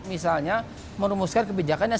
misalnya menemuskan kebijakan yang